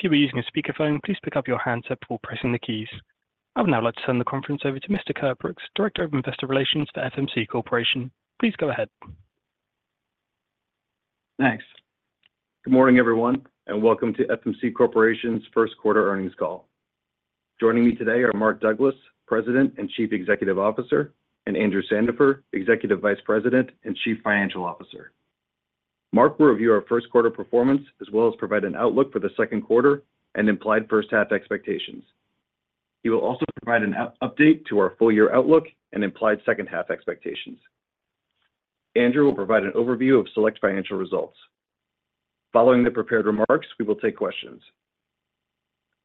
If you'll be using a speakerphone, please pick up your handset before pressing the keys. I would now like to turn the conference over to Mr. Kurt Brooks, Director of Investor Relations for FMC Corporation. Please go ahead. Thanks. Good morning, everyone, and welcome to FMC Corporation's first quarter earnings call. Joining me today are Mark Douglas, President and Chief Executive Officer, and Andrew Sandifer, Executive Vice President and Chief Financial Officer. Mark will review our first quarter performance as well as provide an outlook for the second quarter and implied first-half expectations. He will also provide an update to our full-year outlook and implied second-half expectations. Andrew will provide an overview of select financial results. Following the prepared remarks, we will take questions.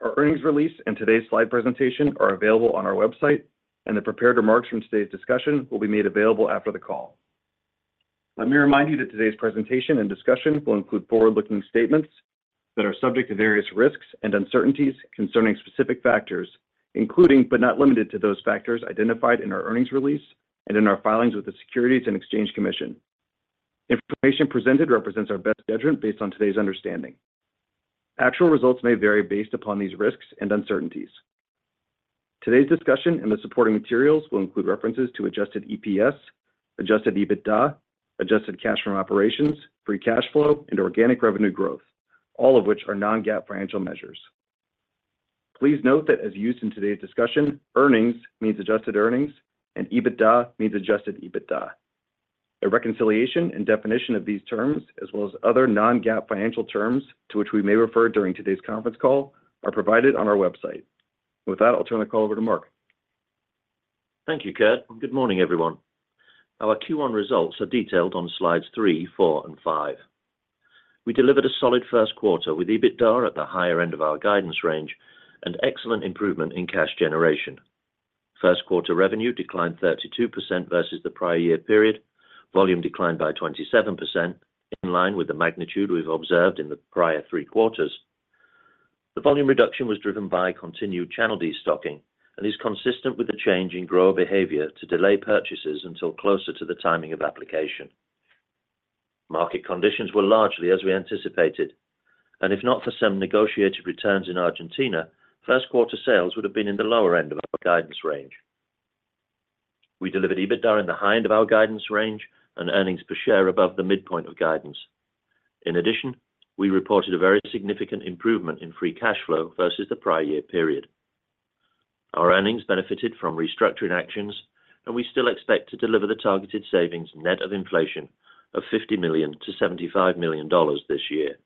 Our earnings release and today's slide presentation are available on our website, and the prepared remarks from today's discussion will be made available after the call. Let me remind you that today's presentation and discussion will include forward-looking statements that are subject to various risks and uncertainties concerning specific factors, including but not limited to those factors identified in our earnings release and in our filings with the Securities and Exchange Commission. Information presented represents our best judgment based on today's understanding. Actual results may vary based upon these risks and uncertainties. Today's discussion and the supporting materials will include references to adjusted EPS, adjusted EBITDA, adjusted cash from operations, free cash flow, and organic revenue growth, all of which are non-GAAP financial measures. Please note that as used in today's discussion, earnings means adjusted earnings, and EBITDA means adjusted EBITDA. A reconciliation and definition of these terms, as well as other non-GAAP financial terms to which we may refer during today's conference call, are provided on our website. With that, I'll turn the call over to Mark. Thank you, Kurt. Good morning, everyone. Our Q1 results are detailed on slides 3, 4, and 5. We delivered a solid first quarter with EBITDA at the higher end of our guidance range and excellent improvement in cash generation. First quarter revenue declined 32% versus the prior year period, volume declined by 27%, in line with the magnitude we've observed in the prior three quarters. The volume reduction was driven by continued channel destocking and is consistent with the change in grower behavior to delay purchases until closer to the timing of application. Market conditions were largely as we anticipated, and if not for some negotiated returns in Argentina, first quarter sales would have been in the lower end of our guidance range. We delivered EBITDA in the high end of our guidance range and earnings per share above the midpoint of guidance. In addition, we reported a very significant improvement in free cash flow versus the prior year period. Our earnings benefited from restructuring actions, and we still expect to deliver the targeted savings net of inflation of $50 million-$75 million this year.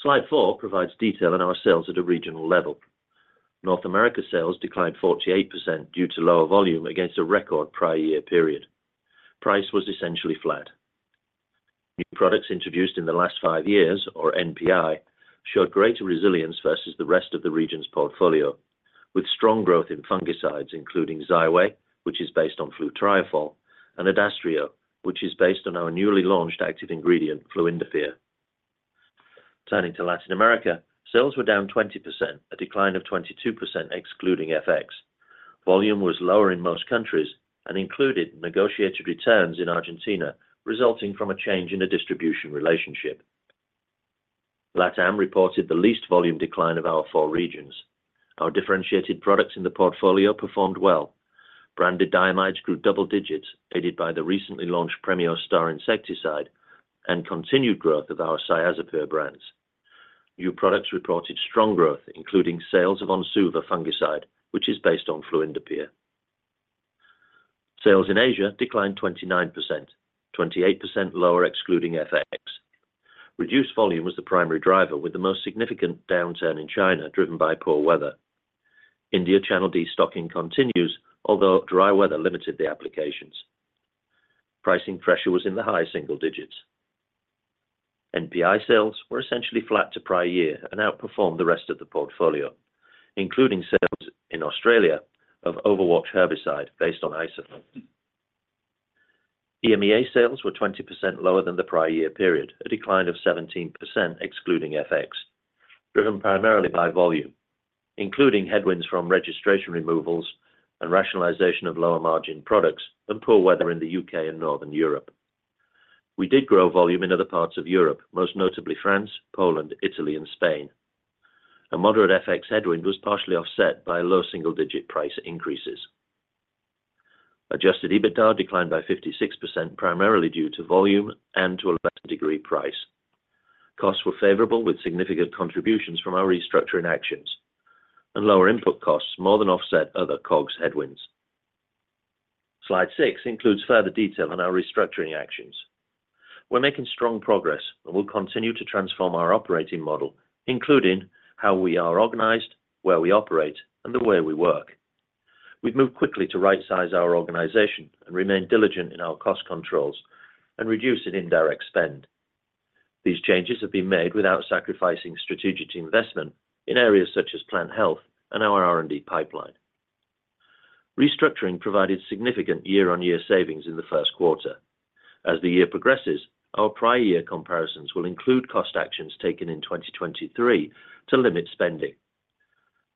Slide 4 provides detail on our sales at a regional level. North America sales declined 48% due to lower volume against a record prior year period. Price was essentially flat. New products introduced in the last five years, or NPI, showed greater resilience versus the rest of the region's portfolio, with strong growth in fungicides including Xyway, which is based on flutriafol, and Adastrio, which is based on our newly launched active ingredient fluindapyr. Turning to Latin America, sales were down 20%, a decline of 22% excluding FX. Volume was lower in most countries and included negotiated returns in Argentina, resulting from a change in a distribution relationship. LATAM reported the least volume decline of our four regions. Our differentiated products in the portfolio performed well. Branded diamides grew double digits, aided by the recently launched Premio Star insecticide and continued growth of our Cyazypyr brands. New products reported strong growth, including sales of Onsuva fungicide, which is based on fluindapyr. Sales in Asia declined 29%, 28% lower excluding FX. Reduced volume was the primary driver, with the most significant downturn in China driven by poor weather. India channel destocking continues, although dry weather limited the applications. Pricing pressure was in the high single digits. NPI sales were essentially flat to prior year and outperformed the rest of the portfolio, including sales in Australia of Overwatch herbicide based on Isoflex. EMEA sales were 20% lower than the prior year period, a decline of 17% excluding FX, driven primarily by volume, including headwinds from registration removals and rationalization of lower margin products and poor weather in the UK and northern Europe. We did grow volume in other parts of Europe, most notably France, Poland, Italy, and Spain. A moderate FX headwind was partially offset by low single digit price increases. Adjusted EBITDA declined by 56%, primarily due to volume and to a lesser degree price. Costs were favorable, with significant contributions from our restructuring actions, and lower input costs more than offset other COGS headwinds. Slide 6 includes further detail on our restructuring actions. We're making strong progress and will continue to transform our operating model, including how we are organized, where we operate, and the way we work. We've moved quickly to right-size our organization and remain diligent in our cost controls and reduce in indirect spend. These changes have been made without sacrificing strategic investment in areas such as plant health and our R&D pipeline. Restructuring provided significant year-on-year savings in the first quarter. As the year progresses, our prior year comparisons will include cost actions taken in 2023 to limit spending.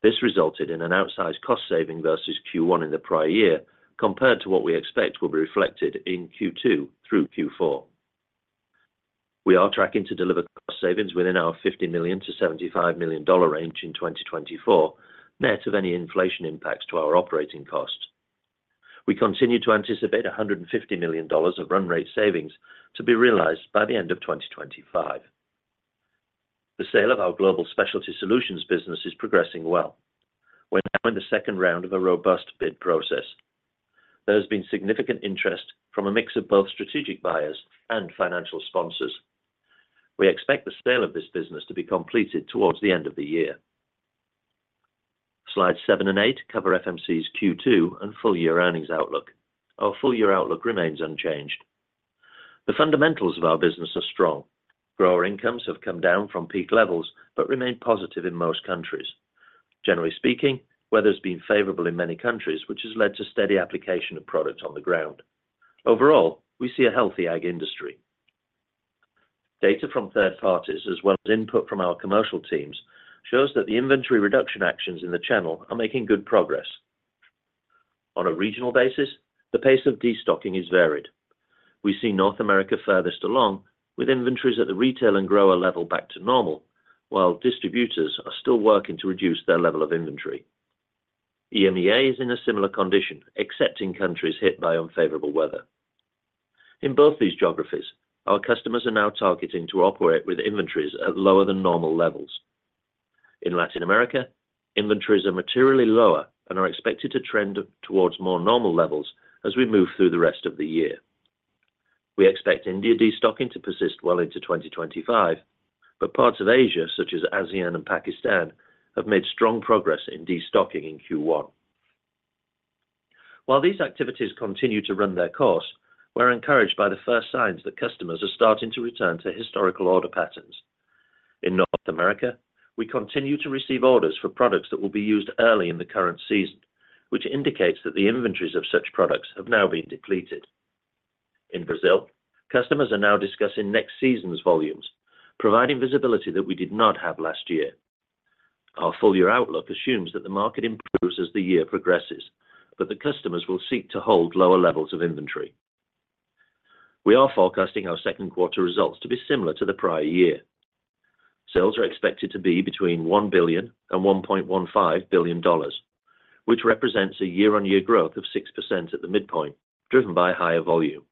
This resulted in an outsized cost saving versus Q1 in the prior year compared to what we expect will be reflected in Q2 through Q4. We are tracking to deliver cost savings within our $50 million-$75 million range in 2024, net of any inflation impacts to our operating costs. We continue to anticipate $150 million of run rate savings to be realized by the end of 2025. The sale of our Global Specialty Solutions business is progressing well. We're now in the second round of a robust bid process. There has been significant interest from a mix of both strategic buyers and financial sponsors. We expect the sale of this business to be completed toward the end of the year. Slides 7 and 8 cover FMC's Q2 and full-year earnings outlook. Our full-year outlook remains unchanged. The fundamentals of our business are strong. Grower incomes have come down from peak levels but remain positive in most countries. Generally speaking, weather's been favorable in many countries, which has led to steady application of product on the ground. Overall, we see a healthy ag industry. Data from third parties, as well as input from our commercial teams, shows that the inventory reduction actions in the channel are making good progress. On a regional basis, the pace of destocking is varied. We see North America furthest along, with inventories at the retail and grower level back to normal, while distributors are still working to reduce their level of inventory. EMEA is in a similar condition, except in countries hit by unfavorable weather. In both these geographies, our customers are now targeting to operate with inventories at lower than normal levels. In Latin America, inventories are materially lower and are expected to trend towards more normal levels as we move through the rest of the year. We expect India destocking to persist well into 2025, but parts of Asia, such as ASEAN and Pakistan, have made strong progress in destocking in Q1. While these activities continue to run their course, we're encouraged by the first signs that customers are starting to return to historical order patterns. In North America, we continue to receive orders for products that will be used early in the current season, which indicates that the inventories of such products have now been depleted. In Brazil, customers are now discussing next season's volumes, providing visibility that we did not have last year. Our full-year outlook assumes that the market improves as the year progresses, but that customers will seek to hold lower levels of inventory. We are forecasting our second quarter results to be similar to the prior year. Sales are expected to be between $1 billion and $1.15 billion, which represents a year-on-year growth of 6% at the midpoint, driven by higher volume.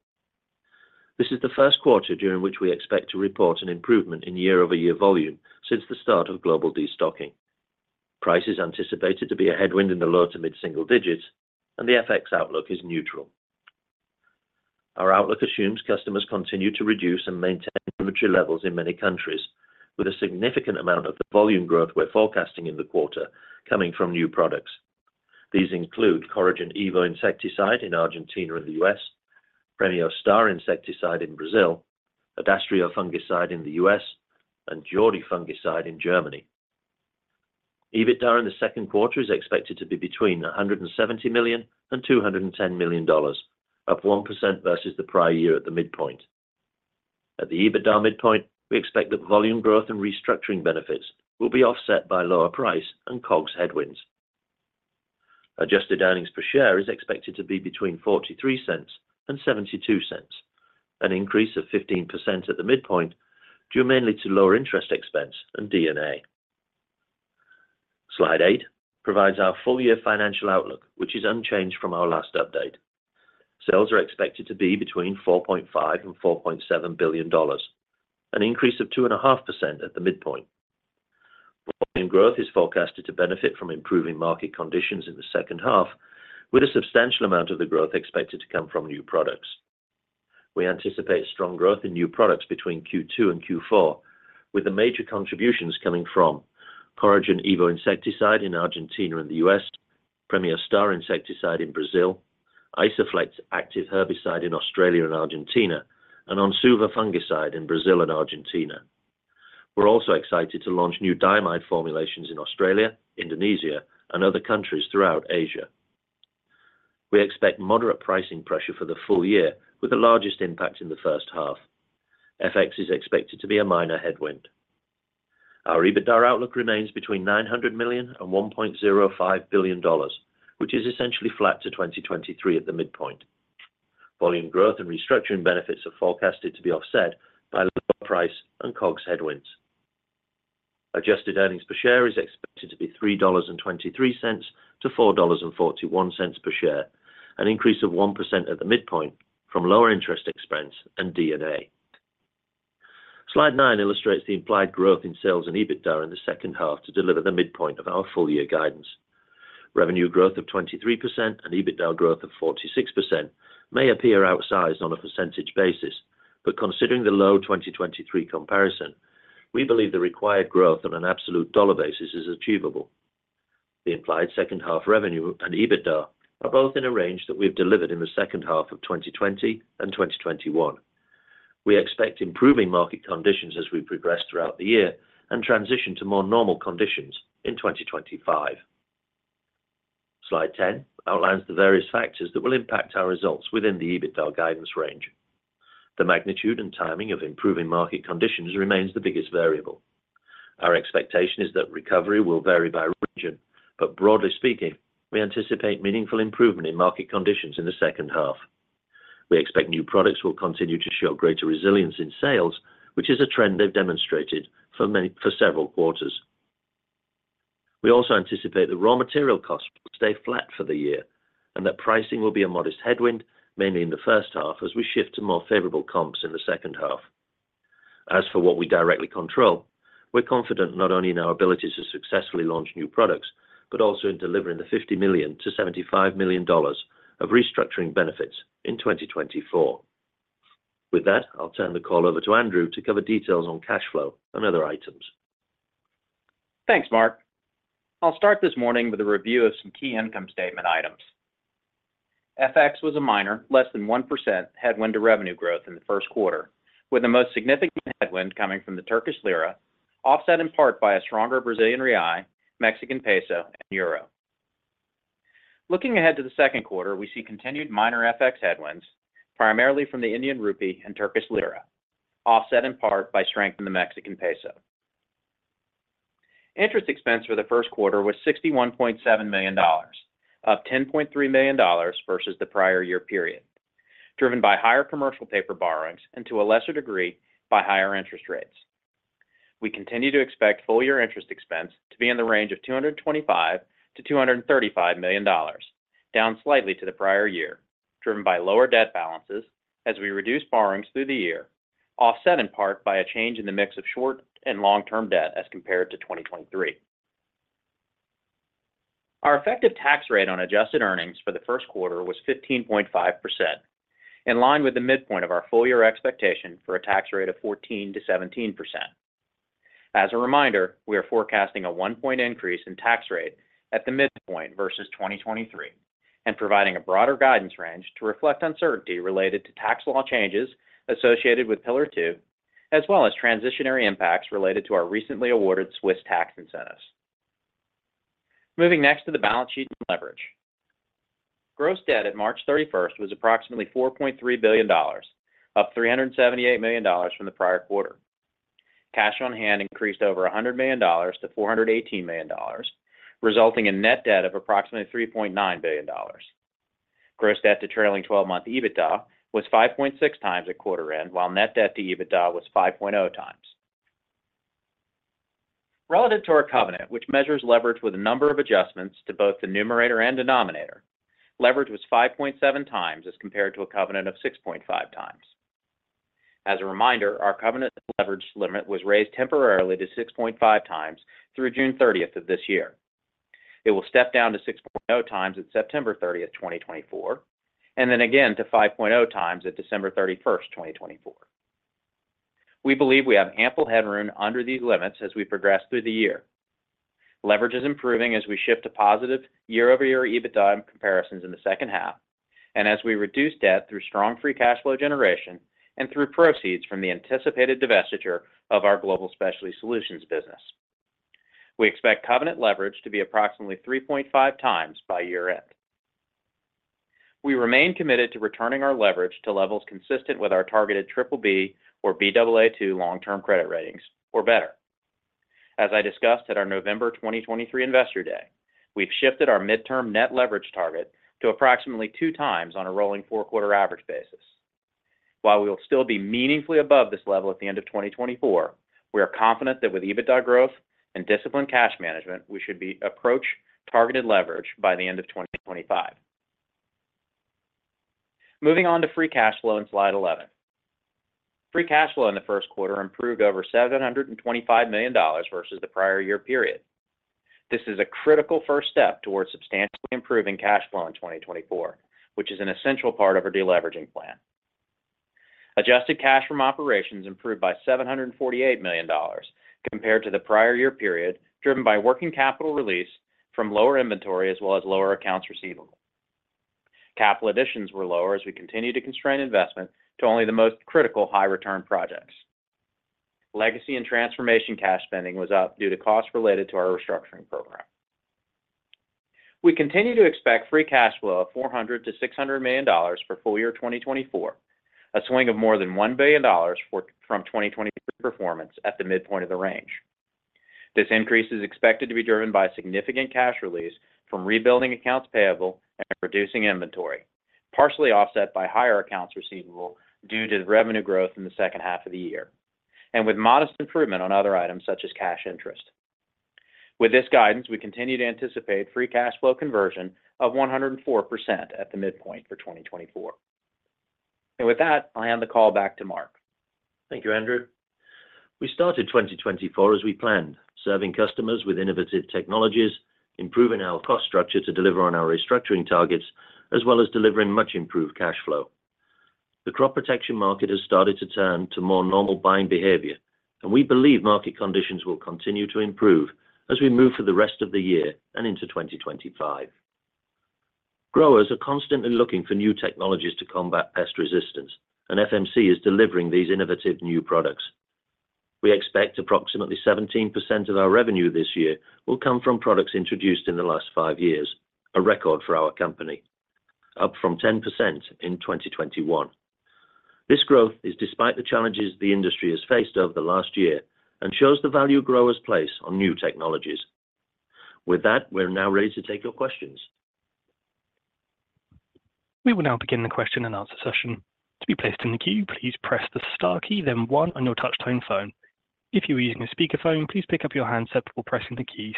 This is the first quarter during which we expect to report an improvement in year-over-year volume since the start of global destocking. Price is anticipated to be a headwind in the lower to mid single digits, and the FX outlook is neutral. Our outlook assumes customers continue to reduce and maintain inventory levels in many countries, with a significant amount of the volume growth we're forecasting in the quarter coming from new products. These include Coragen eVo insecticide in Argentina and the US, Premio Star insecticide in Brazil, Adastrio fungicide in the US, and Jordi fungicide in Germany. EBITDA in the second quarter is expected to be between $170 million and $210 million, up 1% versus the prior year at the midpoint. At the EBITDA midpoint, we expect that volume growth and restructuring benefits will be offset by lower price and COGS headwinds. Adjusted earnings per share is expected to be between $0.43-$0.72, an increase of 15% at the midpoint due mainly to lower interest expense and D&A. Slide 8 provides our full-year financial outlook, which is unchanged from our last update. Sales are expected to be between $4.5-$4.7 billion, an increase of 2.5% at the midpoint. Volume growth is forecasted to benefit from improving market conditions in the second half, with a substantial amount of the growth expected to come from new products. We anticipate strong growth in new products between Q2 and Q4, with the major contributions coming from Coragen eVo insecticide in Argentina and the U.S., Premio Star insecticide in Brazil, Isoflex active herbicide in Australia and Argentina, and Onsuva fungicide in Brazil and Argentina. We're also excited to launch new diamide formulations in Australia, Indonesia, and other countries throughout Asia. We expect moderate pricing pressure for the full year, with the largest impact in the first half. FX is expected to be a minor headwind. Our EBITDA outlook remains between $900 million-$1.05 billion, which is essentially flat to 2023 at the midpoint. Volume growth and restructuring benefits are forecasted to be offset by lower price and COGS headwinds. Adjusted earnings per share is expected to be $3.23-$4.41 per share, an increase of 1% at the midpoint from lower interest expense and D&A. Slide 9 illustrates the implied growth in sales and EBITDA in the second half to deliver the midpoint of our full-year guidance. Revenue growth of 23% and EBITDA growth of 46% may appear outsized on a percentage basis, but considering the low 2023 comparison, we believe the required growth on an absolute dollar basis is achievable. The implied second-half revenue and EBITDA are both in a range that we've delivered in the second half of 2020 and 2021. We expect improving market conditions as we progress throughout the year and transition to more normal conditions in 2025. Slide 10 outlines the various factors that will impact our results within the EBITDA guidance range. The magnitude and timing of improving market conditions remains the biggest variable. Our expectation is that recovery will vary by region, but broadly speaking, we anticipate meaningful improvement in market conditions in the second half. We expect new products will continue to show greater resilience in sales, which is a trend they've demonstrated for several quarters. We also anticipate the raw material costs will stay flat for the year and that pricing will be a modest headwind, mainly in the first half as we shift to more favorable comps in the second half. As for what we directly control, we're confident not only in our ability to successfully launch new products but also in delivering the $50 million-$75 million of restructuring benefits in 2024. With that, I'll turn the call over to Andrew to cover details on cash flow and other items. Thanks, Mark. I'll start this morning with a review of some key income statement items. FX was a minor, less than 1% headwind to revenue growth in the first quarter, with the most significant headwind coming from the Turkish lira, offset in part by a stronger Brazilian real, Mexican peso, and euro. Looking ahead to the second quarter, we see continued minor FX headwinds, primarily from the Indian rupee and Turkish lira, offset in part by strength in the Mexican peso. Interest expense for the first quarter was $61.7 million, up $10.3 million versus the prior year period, driven by higher commercial paper borrowings and to a lesser degree by higher interest rates. We continue to expect full-year interest expense to be in the range of $225-$235 million, down slightly to the prior year, driven by lower debt balances as we reduce borrowings through the year, offset in part by a change in the mix of short and long-term debt as compared to 2023. Our effective tax rate on adjusted earnings for the first quarter was 15.5%, in line with the midpoint of our full-year expectation for a tax rate of 14%-17%. As a reminder, we are forecasting a 1-point increase in tax rate at the midpoint versus 2023 and providing a broader guidance range to reflect uncertainty related to tax law changes associated with Pillar Two, as well as transitory impacts related to our recently awarded Swiss tax incentives. Moving next to the balance sheet and leverage. Gross debt at March 31st was approximately $4.3 billion, up $378 million from the prior quarter. Cash on hand increased over $100 million to $418 million, resulting in net debt of approximately $3.9 billion. Gross debt to trailing 12-month EBITDA was 5.6 times at quarter end, while net debt to EBITDA was 5.0 times. Relative to our covenant, which measures leverage with a number of adjustments to both the numerator and denominator, leverage was 5.7 times as compared to a covenant of 6.5 times. As a reminder, our covenant leverage limit was raised temporarily to 6.5 times through June 30th of this year. It will step down to 6.0 times at September 30th, 2024, and then again to 5.0 times at December 31st, 2024. We believe we have ample headroom under these limits as we progress through the year. Leverage is improving as we shift to positive year-over-year EBITDA comparisons in the second half and as we reduce debt through strong free cash flow generation and through proceeds from the anticipated divestiture of our global specialty solutions business. We expect covenant leverage to be approximately 3.5x by year end. We remain committed to returning our leverage to levels consistent with our targeted BBB or Baa2 long-term credit ratings, or better. As I discussed at our November 2023 Investor Day, we've shifted our midterm net leverage target to approximately 2x on a rolling four-quarter average basis. While we will still be meaningfully above this level at the end of 2024, we are confident that with EBITDA growth and disciplined cash management, we should approach targeted leverage by the end of 2025. Moving on to free cash flow in Slide 11. Free cash flow in the first quarter improved over $725 million versus the prior year period. This is a critical first step towards substantially improving cash flow in 2024, which is an essential part of our deleveraging plan. Adjusted cash from operations improved by $748 million compared to the prior year period, driven by working capital release from lower inventory as well as lower accounts receivable. Capital additions were lower as we continue to constrain investment to only the most critical high-return projects. Legacy and transformation cash spending was up due to costs related to our restructuring program. We continue to expect free cash flow of $400-$600 million for full year 2024, a swing of more than $1 billion from 2023 performance at the midpoint of the range. This increase is expected to be driven by significant cash release from rebuilding accounts payable and reducing inventory, partially offset by higher accounts receivable due to the revenue growth in the second half of the year, and with modest improvement on other items such as cash interest. With this guidance, we continue to anticipate free cash flow conversion of 104% at the midpoint for 2024. With that, I'll hand the call back to Mark. Thank you, Andrew. We started 2024 as we planned, serving customers with innovative technologies, improving our cost structure to deliver on our restructuring targets, as well as delivering much-improved cash flow. The crop protection market has started to turn to more normal buying behavior, and we believe market conditions will continue to improve as we move through the rest of the year and into 2025. Growers are constantly looking for new technologies to combat pest resistance, and FMC is delivering these innovative new products. We expect approximately 17% of our revenue this year will come from products introduced in the last five years, a record for our company, up from 10% in 2021. This growth is despite the challenges the industry has faced over the last year and shows the value growers place on new technologies. With that, we're now ready to take your questions. We will now begin the question and answer session. To be placed in the queue, please press the star key, then 1 on your touch-tone phone. If you are using a speakerphone, please pick up your handset before pressing the keys.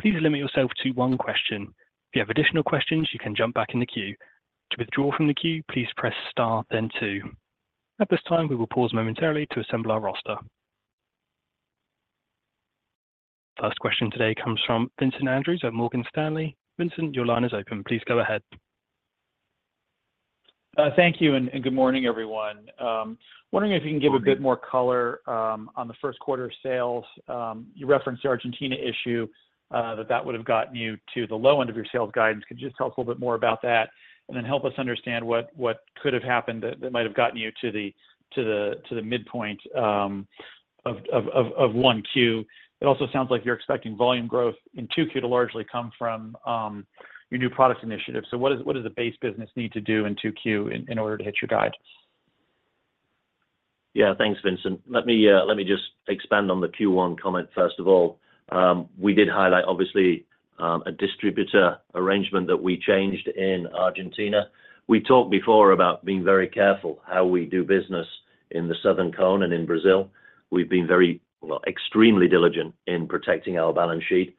Please limit yourself to one question. If you have additional questions, you can jump back in the queue. To withdraw from the queue, please press star, then 2. At this time, we will pause momentarily to assemble our roster. First question today comes from Vincent Andrews at Morgan Stanley. Vincent, your line is open. Please go ahead. Thank you, and good morning, everyone. Wondering if you can give a bit more color on the first quarter sales? You referenced the Argentina issue, that that would have gotten you to the low end of your sales guidance. Could you just tell us a little bit more about that, and then help us understand what could have happened that might have gotten you to the midpoint of Q1? It also sounds like you're expecting volume growth in Q2 to largely come from your new product initiative. So what does the base business need to do in Q2 in order to hit your guide? Yeah, thanks, Vincent. Let me just expand on the Q1 comment. First of all, we did highlight, obviously, a distributor arrangement that we changed in Argentina. We talked before about being very careful how we do business in the Southern Cone and in Brazil. We've been extremely diligent in protecting our balance sheet.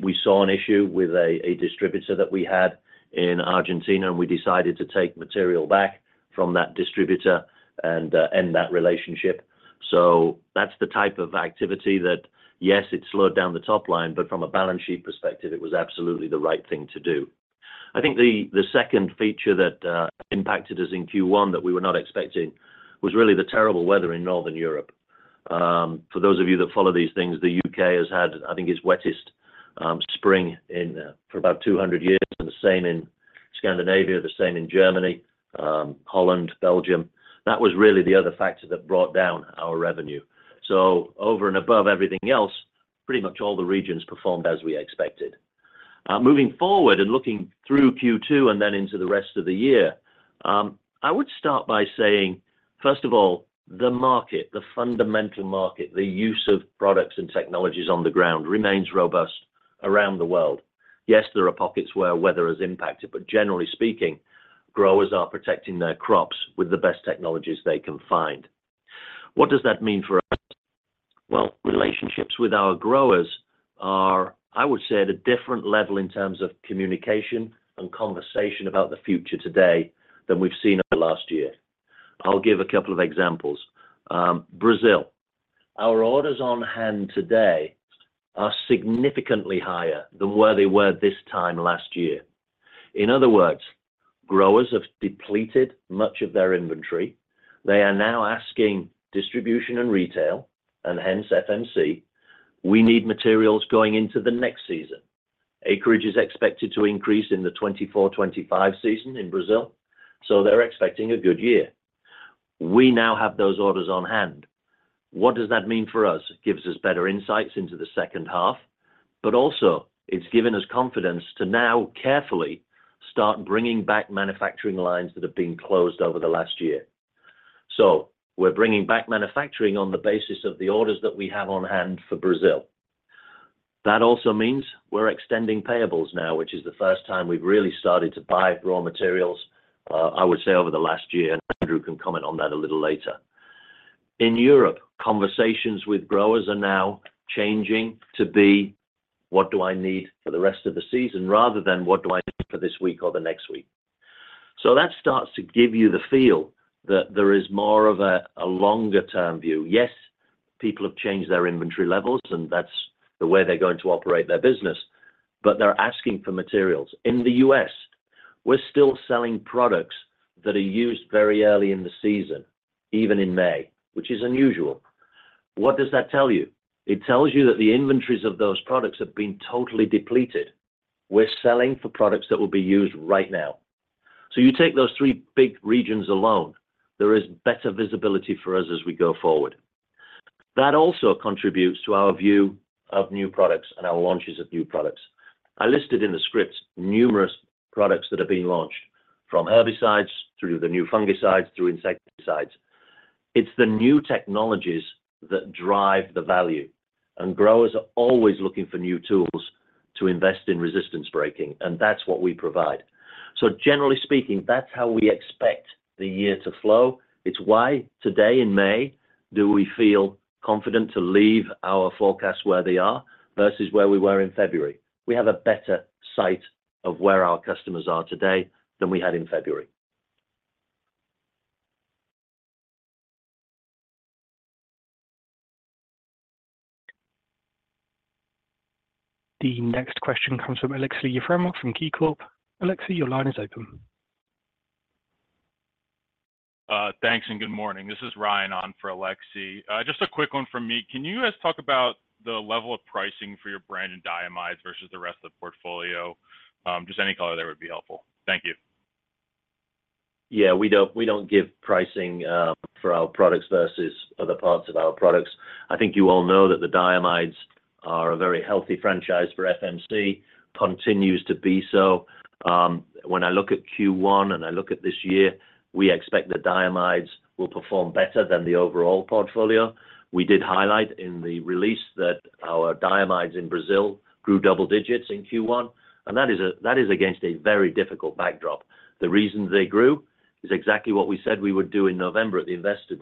We saw an issue with a distributor that we had in Argentina, and we decided to take material back from that distributor and end that relationship. So that's the type of activity that, yes, it slowed down the top line, but from a balance sheet perspective, it was absolutely the right thing to do. I think the second feature that impacted us in Q1 that we were not expecting was really the terrible weather in Northern Europe. For those of you that follow these things, the UK has had, I think, its wettest spring for about 200 years, and the same in Scandinavia, the same in Germany, Holland, Belgium. That was really the other factor that brought down our revenue. So over and above everything else, pretty much all the regions performed as we expected. Moving forward and looking through Q2 and then into the rest of the year, I would start by saying, first of all, the market, the fundamental market, the use of products and technologies on the ground remains robust around the world. Yes, there are pockets where weather has impacted, but generally speaking, growers are protecting their crops with the best technologies they can find. What does that mean for us? Well, relationships with our growers are, I would say, at a different level in terms of communication and conversation about the future today than we've seen over the last year. I'll give a couple of examples. Brazil. Our orders on hand today are significantly higher than where they were this time last year. In other words, growers have depleted much of their inventory. They are now asking distribution and retail, and hence FMC, we need materials going into the next season. Acreage is expected to increase in the 2024/2025 season in Brazil, so they're expecting a good year. We now have those orders on hand. What does that mean for us? It gives us better insights into the second half, but also it's given us confidence to now carefully start bringing back manufacturing lines that have been closed over the last year. So we're bringing back manufacturing on the basis of the orders that we have on hand for Brazil. That also means we're extending payables now, which is the first time we've really started to buy raw materials, I would say, over the last year, and Andrew can comment on that a little later. In Europe, conversations with growers are now changing to be, "What do I need for the rest of the season?" rather than, "What do I need for this week or the next week?" So that starts to give you the feel that there is more of a longer-term view. Yes, people have changed their inventory levels, and that's the way they're going to operate their business, but they're asking for materials. In the U.S., we're still selling products that are used very early in the season, even in May, which is unusual. What does that tell you? It tells you that the inventories of those products have been totally depleted. We're selling for products that will be used right now. So you take those three big regions alone, there is better visibility for us as we go forward. That also contributes to our view of new products and our launches of new products. I listed in the scripts numerous products that have been launched, from herbicides through the new fungicides through insecticides. It's the new technologies that drive the value, and growers are always looking for new tools to invest in resistance breaking, and that's what we provide. So generally speaking, that's how we expect the year to flow. It's why today, in May, do we feel confident to leave our forecasts where they are versus where we were in February? We have a better sight of where our customers are today than we had in February. The next question comes from Aleksey Yefremov from Key Corp. Aleksey, your line is open. Thanks and good morning. This is Ryan on for Aleksey. Just a quick one from me. Can you guys talk about the level of pricing for your brand in diamides versus the rest of the portfolio? Just any color there would be helpful. Thank you. Yeah, we don't give pricing for our products versus other parts of our products. I think you all know that the diamides are a very healthy franchise for FMC, continues to be so. When I look at Q1 and I look at this year, we expect the diamides will perform better than the overall portfolio. We did highlight in the release that our diamides in Brazil grew double digits in Q1, and that is against a very difficult backdrop. The reason they grew is exactly what we said we would do in November at the Investor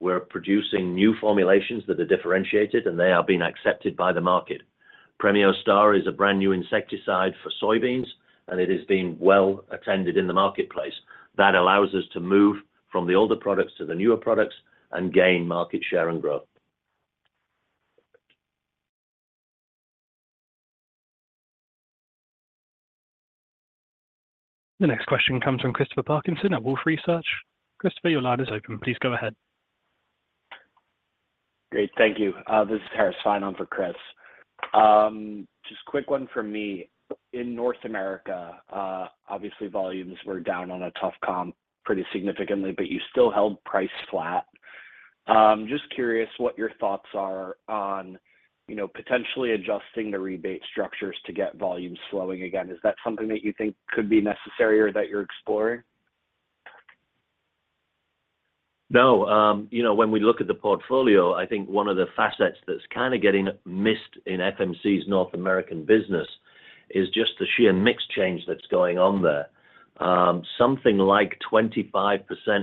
Day. We're producing new formulations that are differentiated, and they are being accepted by the market. Premio Star is a brand new insecticide for soybeans, and it has been well attended in the marketplace. That allows us to move from the older products to the newer products and gain market share and growth. The next question comes from Christopher Parkinson at Wolfe Research. Christopher, your line is open. Please go ahead. Great. Thank you. This is Harris Fein on for Chris. Just quick one from me. In North America, obviously, volumes were down on a tough comp pretty significantly, but you still held price flat. Just curious what your thoughts are on potentially adjusting the rebate structures to get volumes flowing again. Is that something that you think could be necessary or that you're exploring? No. When we look at the portfolio, I think one of the facets that's kind of getting missed in FMC's North American business is just the sheer mix change that's going on there. Something like 25%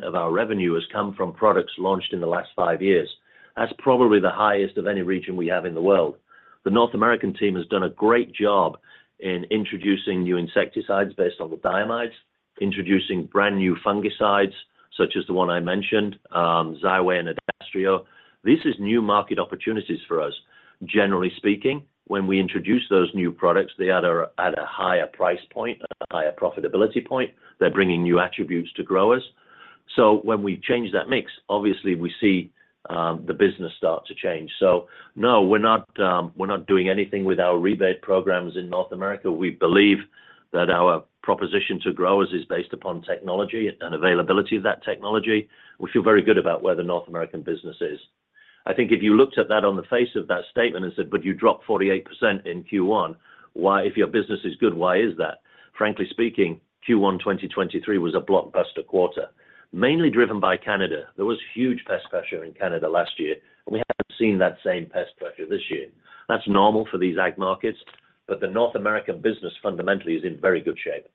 of our revenue has come from products launched in the last five years. That's probably the highest of any region we have in the world. The North American team has done a great job in introducing new insecticides based on the diamides, introducing brand new fungicides such as the one I mentioned, Xyway and Adastrio. This is new market opportunities for us. Generally speaking, when we introduce those new products, they are at a higher price point, at a higher profitability point. They're bringing new attributes to growers. So when we change that mix, obviously, we see the business start to change. So no, we're not doing anything with our rebate programs in North America. We believe that our proposition to growers is based upon technology and availability of that technology. We feel very good about where the North American business is. I think if you looked at that on the face of that statement and said, "But you dropped 48% in Q1, if your business is good, why is that?" Frankly speaking, Q1 2023 was a blockbuster quarter, mainly driven by Canada. There was huge pest pressure in Canada last year, and we haven't seen that same pest pressure this year. That's normal for these ag markets, but the North American business fundamentally is in very good shape.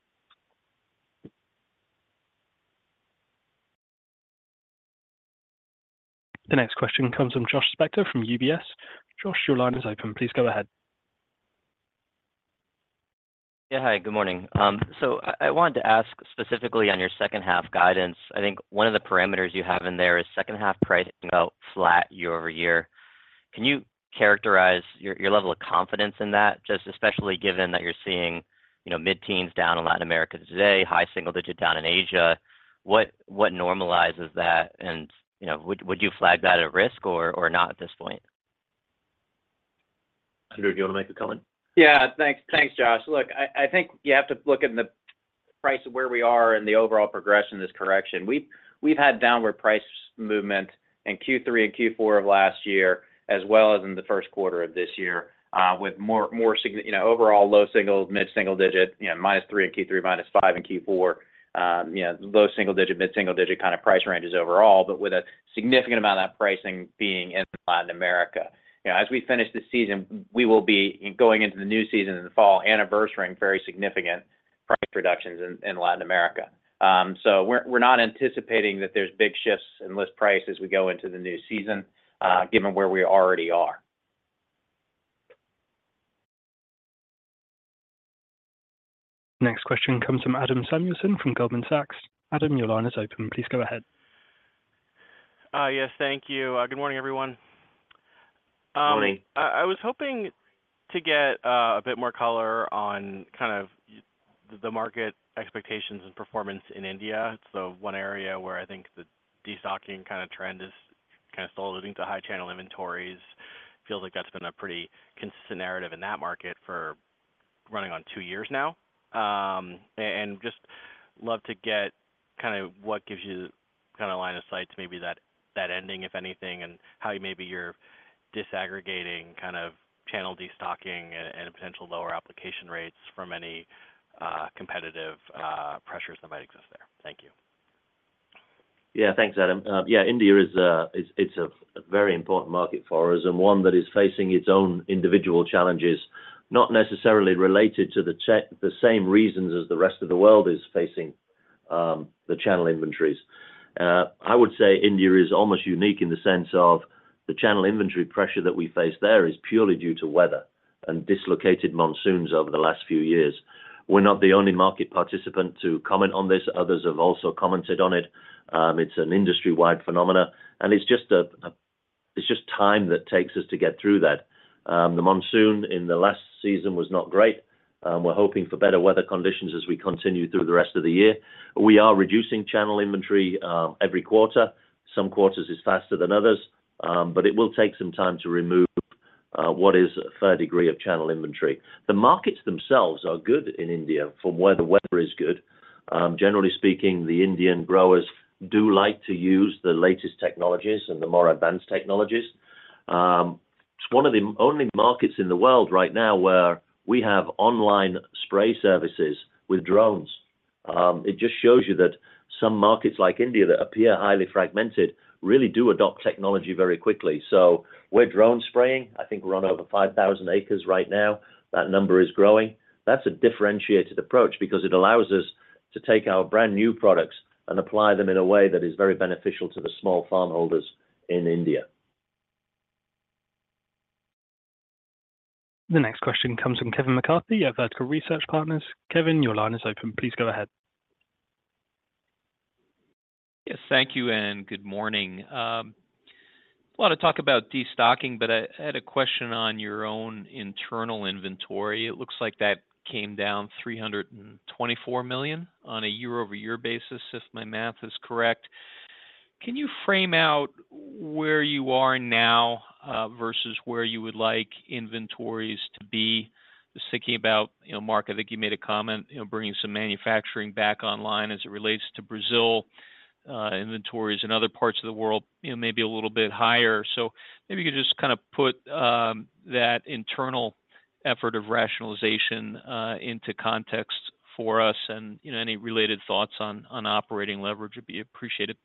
The next question comes from Josh Spector from UBS. Josh, your line is open. Please go ahead. Yeah, hi. Good morning. So I wanted to ask specifically on your second-half guidance. I think one of the parameters you have in there is second-half pricing out flat year-over-year. Can you characterize your level of confidence in that, especially given that you're seeing mid-teens down in Latin America today, high single digit down in Asia? What normalizes that, and would you flag that at risk or not at this point? Andrew, do you want to make a comment? Yeah, thanks, Josh. Look, I think you have to look at the pricing where we are and the overall progression of this correction. We've had downward price movement in Q3 and Q4 of last year, as well as in the first quarter of this year, with more overall low single digits, mid-single-digit, -3% in Q3, -5% in Q4, low single-digit, mid-single-digit kind of price ranges overall, but with a significant amount of that pricing being in Latin America. As we finish this season, we will be going into the new season in the fall, anniversaring very significant price reductions in Latin America. So we're not anticipating that there's big shifts in list price as we go into the new season, given where we already are. Next question comes from Adam Samuelson from Goldman Sachs. Adam, your line is open. Please go ahead. Yes, thank you. Good morning, everyone. Good morning. I was hoping to get a bit more color on kind of the market expectations and performance in India. It's the one area where I think the destocking kind of trend is kind of still alluding to high-channel inventories. Feels like that's been a pretty consistent narrative in that market for running on two years now. And just love to get kind of what gives you kind of a line of sight to maybe that ending, if anything, and how maybe you're disaggregating kind of channel destocking and potential lower application rates from any competitive pressures that might exist there. Thank you. Yeah, thanks, Adam. Yeah, India is a very important market for us and one that is facing its own individual challenges, not necessarily related to the same reasons as the rest of the world is facing the channel inventories. I would say India is almost unique in the sense of the channel inventory pressure that we face there is purely due to weather and dislocated monsoons over the last few years. We're not the only market participant to comment on this. Others have also commented on it. It's an industry-wide phenomena, and it's just time that takes us to get through that. The monsoon in the last season was not great. We're hoping for better weather conditions as we continue through the rest of the year. We are reducing channel inventory every quarter. Some quarters is faster than others, but it will take some time to remove what is a third degree of channel inventory. The markets themselves are good in India from where the weather is good. Generally speaking, the Indian growers do like to use the latest technologies and the more advanced technologies. It's one of the only markets in the world right now where we have online spray services with drones. It just shows you that some markets like India that appear highly fragmented really do adopt technology very quickly. So we're drone spraying. I think we're on over 5,000 acres right now. That number is growing. That's a differentiated approach because it allows us to take our brand new products and apply them in a way that is very beneficial to the small farmholders in India. The next question comes from Kevin McCarthy at Vertical Research Partners. Kevin, your line is open. Please go ahead. Yes, thank you and good morning. A lot of talk about destocking, but I had a question on your own internal inventory. It looks like that came down $324 million on a year-over-year basis, if my math is correct. Can you frame out where you are now versus where you would like inventories to be? Just thinking about Mark, I think you made a comment bringing some manufacturing back online as it relates to Brazil inventories in other parts of the world, maybe a little bit higher. So maybe you could just kind of put that internal effort of rationalization into context for us and any related thoughts on operating leverage would be appreciated.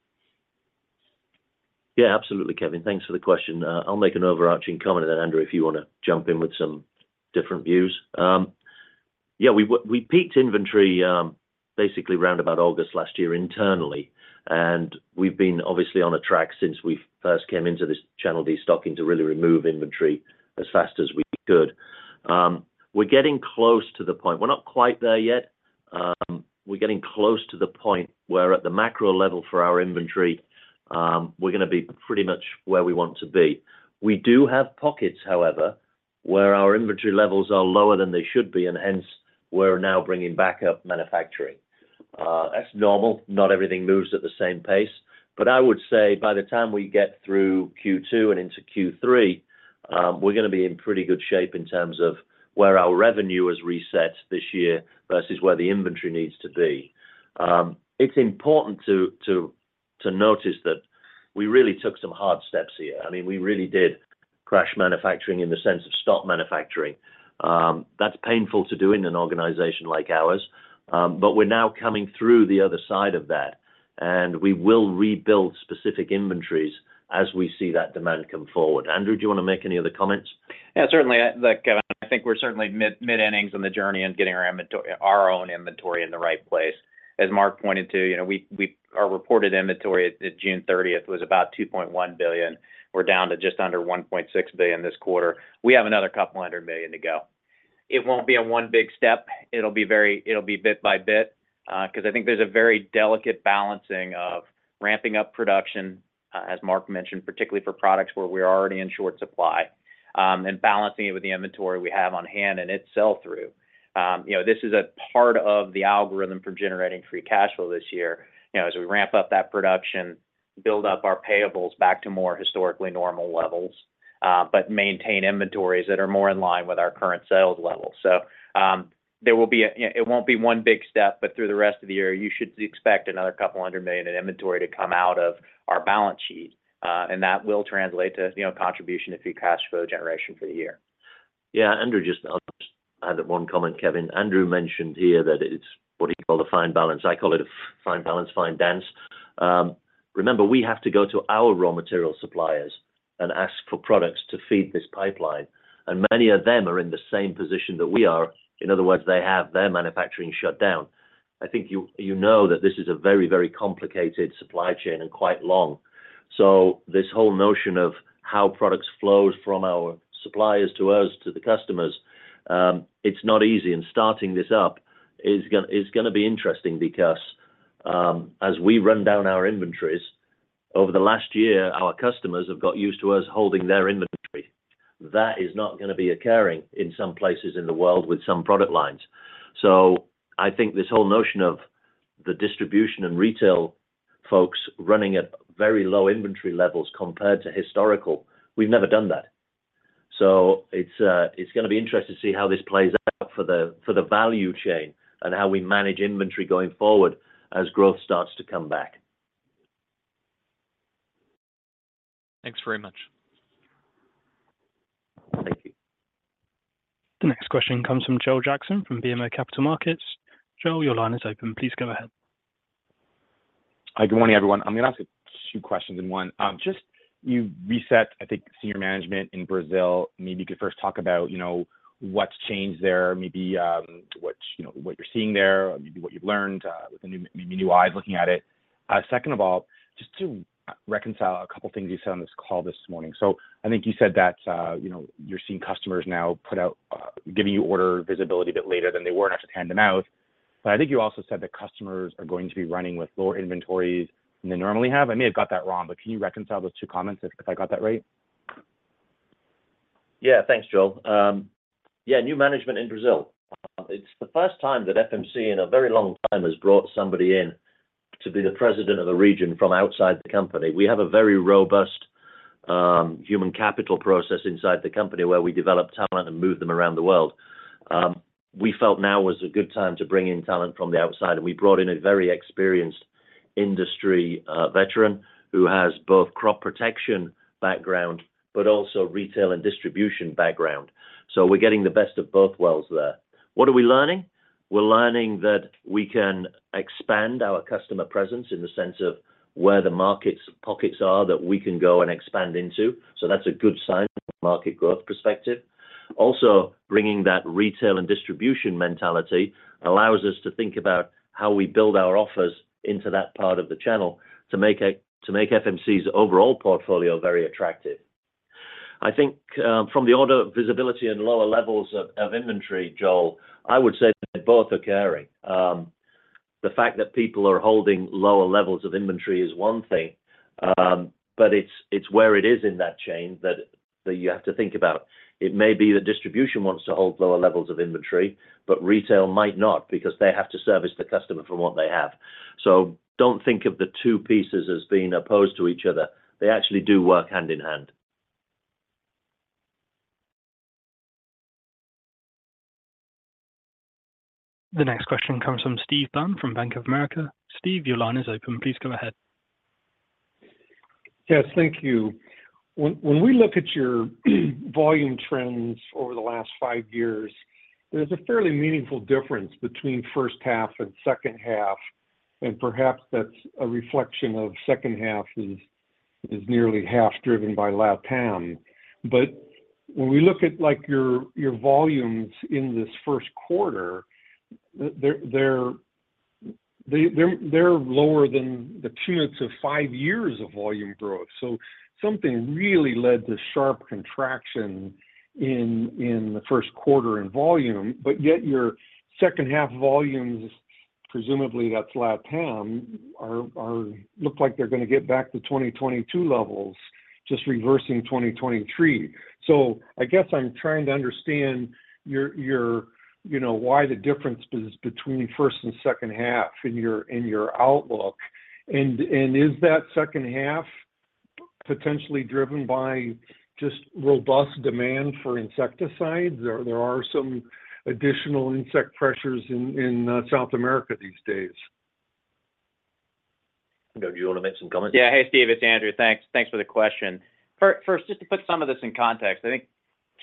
Yeah, absolutely, Kevin. Thanks for the question. I'll make an overarching comment and then, Andrew, if you want to jump in with some different views. Yeah, we peaked inventory basically round about August last year internally, and we've been obviously on a track since we first came into this channel destocking to really remove inventory as fast as we could. We're getting close to the point we're not quite there yet. We're getting close to the point where at the macro level for our inventory, we're going to be pretty much where we want to be. We do have pockets, however, where our inventory levels are lower than they should be, and hence we're now bringing back up manufacturing. That's normal. Not everything moves at the same pace. But I would say by the time we get through Q2 and into Q3, we're going to be in pretty good shape in terms of where our revenue has reset this year versus where the inventory needs to be. It's important to notice that we really took some hard steps here. I mean, we really did crash manufacturing in the sense of stop manufacturing. That's painful to do in an organization like ours, but we're now coming through the other side of that, and we will rebuild specific inventories as we see that demand come forward. Andrew, do you want to make any other comments? Yeah, certainly. I think we're certainly mid-innings on the journey and getting our own inventory in the right place. As Mark pointed to, our reported inventory at June 30th was about $2.1 billion. We're down to just under $1.6 billion this quarter. We have another couple hundred million to go. It won't be a one big step. It'll be bit by bit because I think there's a very delicate balancing of ramping up production, as Mark mentioned, particularly for products where we're already in short supply, and balancing it with the inventory we have on hand and it sell through. This is a part of the algorithm for generating free cash flow this year. As we ramp up that production, build up our payables back to more historically normal levels, but maintain inventories that are more in line with our current sales levels. So there will be. It won't be one big step, but through the rest of the year, you should expect another $200 million in inventory to come out of our balance sheet, and that will translate to contribution to Free Cash Flow generation for the year. Yeah, Andrew, I just had one comment, Kevin. Andrew mentioned here that it's what he called a fine balance. I call it a fine balance, fine dance. Remember, we have to go to our raw material suppliers and ask for products to feed this pipeline, and many of them are in the same position that we are. In other words, they have their manufacturing shut down. I think you know that this is a very, very complicated supply chain and quite long. So this whole notion of how products flow from our suppliers to us, to the customers, it's not easy, and starting this up is going to be interesting because as we run down our inventories, over the last year, our customers have got used to us holding their inventory. That is not going to be occurring in some places in the world with some product lines. I think this whole notion of the distribution and retail folks running at very low inventory levels compared to historical. We've never done that. It's going to be interesting to see how this plays out for the value chain and how we manage inventory going forward as growth starts to come back. Thanks very much. Thank you. The next question comes from Joel Jackson from BMO Capital Markets. Joel, your line is open. Please go ahead. Hi, good morning, everyone. I'm going to ask a few questions in one. Just your recent senior management in Brazil. Maybe you could first talk about what's changed there, maybe what you're seeing there, maybe what you've learned with maybe new eyes looking at it. Second of all, just to reconcile a couple of things you said on this call this morning. So I think you said that you're seeing customers now giving you order visibility a bit later than they were and have to hand them out. But I think you also said that customers are going to be running with lower inventories than they normally have. I may have got that wrong, but can you reconcile those two comments if I got that right? Yeah, thanks, Joel. Yeah, new management in Brazil. It's the first time that FMC in a very long time has brought somebody in to be the president of a region from outside the company. We have a very robust human capital process inside the company where we develop talent and move them around the world. We felt now was a good time to bring in talent from the outside, and we brought in a very experienced industry veteran who has both crop protection background but also retail and distribution background. So we're getting the best of both worlds there. What are we learning? We're learning that we can expand our customer presence in the sense of where the market's pockets are that we can go and expand into. So that's a good sign from a market growth perspective. Also, bringing that retail and distribution mentality allows us to think about how we build our offers into that part of the channel to make FMC's overall portfolio very attractive. I think from the order of visibility and lower levels of inventory, Joel, I would say that both are carrying. The fact that people are holding lower levels of inventory is one thing, but it's where it is in that chain that you have to think about. It may be that distribution wants to hold lower levels of inventory, but retail might not because they have to service the customer from what they have. So don't think of the two pieces as being opposed to each other. They actually do work hand in hand. The next question comes from Steve Byrne from Bank of America. Steve, your line is open. Please go ahead. Yes, thank you. When we look at your volume trends over the last five years, there's a fairly meaningful difference between first half and second half, and perhaps that's a reflection of second half is nearly half driven by LATAM. But when we look at your volumes in this first quarter, they're lower than the cumulative five years of volume growth. So something really led to sharp contraction in the first quarter in volume, but yet your second half volumes, presumably that's LATAM, look like they're going to get back to 2022 levels, just reversing 2023. So I guess I'm trying to understand why the difference is between first and second half in your outlook. And is that second half potentially driven by just robust demand for insecticides? There are some additional insect pressures in South America these days. Andrew, do you want to make some comments? Yeah, hey, Steve. It's Andrew. Thanks for the question. First, just to put some of this in context, I think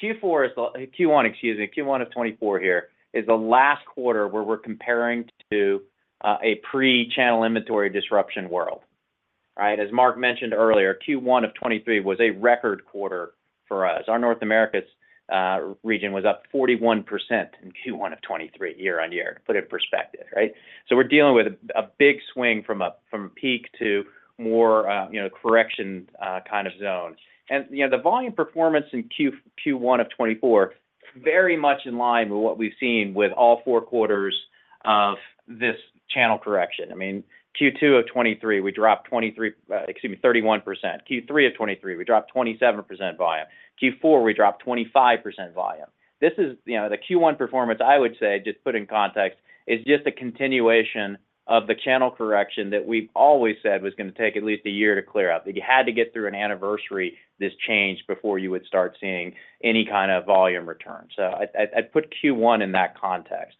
Q4 is the Q1, excuse me, Q1 of 2024 here is the last quarter where we're comparing to a pre-channel inventory disruption world. As Mark mentioned earlier, Q1 of 2023 was a record quarter for us. Our North America region was up 41% in Q1 of 2023 year-on-year, to put it in perspective, right? So we're dealing with a big swing from a peak to more correction kind of zone. And the volume performance in Q1 of 2024, very much in line with what we've seen with all four quarters of this channel correction. I mean, Q2 of 2023, we dropped 23 excuse me, 31%. Q3 of 2023, we dropped 27% volume. Q4, we dropped 25% volume. The Q1 performance, I would say, just put in context, is just a continuation of the channel correction that we've always said was going to take at least a year to clear out. You had to get through an anniversary this change before you would start seeing any kind of volume return. So I'd put Q1 in that context.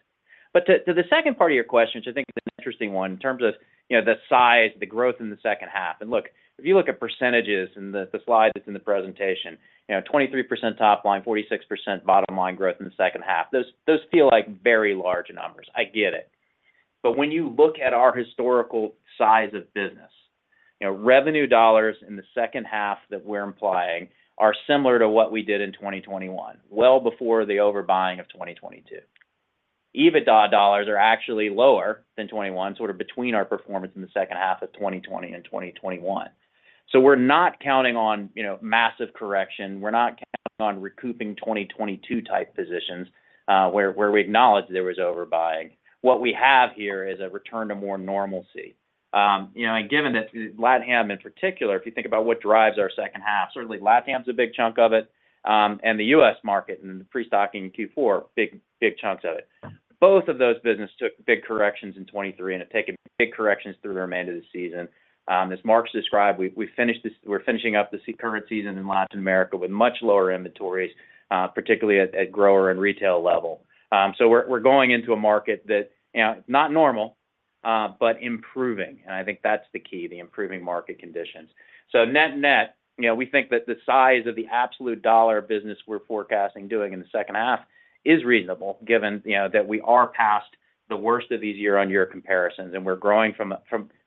But to the second part of your question, which I think is an interesting one in terms of the size, the growth in the second half and look, if you look at percentages in the slide that's in the presentation, 23% top line, 46% bottom line growth in the second half, those feel like very large numbers. I get it. But when you look at our historical size of business, revenue dollars in the second half that we're implying are similar to what we did in 2021, well before the overbuying of 2022. EBITDA dollars are actually lower than 2021, sort of between our performance in the second half of 2020 and 2021. So we're not counting on massive correction. We're not counting on recouping 2022-type positions where we acknowledged there was overbuying. What we have here is a return to more normalcy. And given that LATAM in particular, if you think about what drives our second half, certainly LATAM's a big chunk of it, and the US market and the prestocking in Q4, big chunks of it. Both of those businesses took big corrections in 2023 and have taken big corrections through the remainder of the season. As Mark's described, we're finishing up the current season in Latin America with much lower inventories, particularly at grower and retail level. So we're going into a market that's not normal, but improving. And I think that's the key, the improving market conditions. So net-net, we think that the size of the absolute dollar business we're forecasting doing in the second half is reasonable given that we are past the worst of these year-on-year comparisons and we're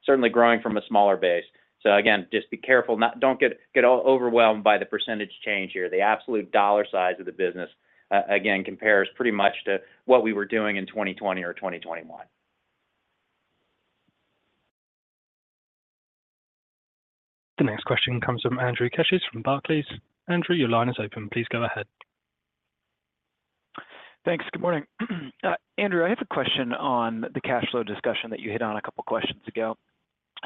certainly growing from a smaller base. So again, just be careful. Don't get overwhelmed by the percentage change here. The absolute dollar size of the business, again, compares pretty much to what we were doing in 2020 or 2021. The next question comes from Andrew Ketsch from Barclays. Andrew, your line is open. Please go ahead. Thanks. Good morning. Andrew, I have a question on the cash flow discussion that you hit on a couple of questions ago.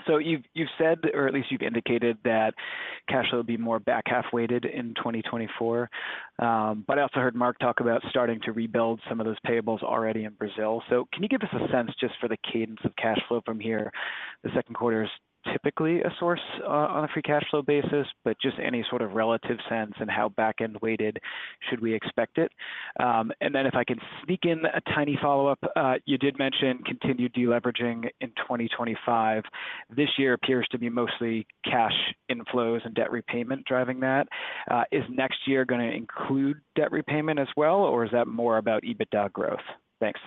So you've said, or at least you've indicated, that cash flow would be more back half-weighted in 2024. But I also heard Mark talk about starting to rebuild some of those payables already in Brazil. So can you give us a sense just for the cadence of cash flow from here? The second quarter is typically a source on a free cash flow basis, but just any sort of relative sense and how back end weighted should we expect it? And then if I can sneak in a tiny follow-up, you did mention continued deleveraging in 2025. This year appears to be mostly cash inflows and debt repayment driving that. Is next year going to include debt repayment as well, or is that more about EBITDA growth? Thanks.